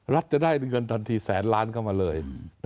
รัฐจะได้เงินทันทีแสนล้านเข้ามาเลย